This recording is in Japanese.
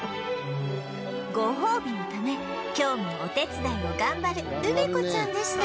ご褒美のため今日もお手伝いを頑張る梅子ちゃんでした